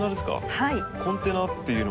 コンテナっていうのは。